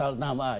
yang kedua pemilu